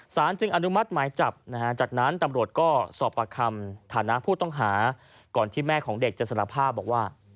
สารจึงอนุมัติหมายจับนะฮะจากนั้นตำรวจก็สอบประคำฐานะผู้ต้องหาก่อนที่แม่ของเด็กจะสารภาพบอกว่า